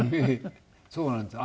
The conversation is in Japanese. そうなんですよ。